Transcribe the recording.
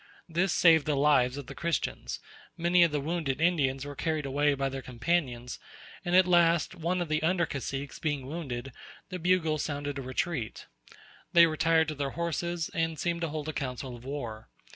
This saved the lives of the Christians: many of the wounded Indians were carried away by their companions, and at last, one of the under caciques being wounded, the bugle sounded a retreat. They retired to their horses, and seemed to hold a council of war.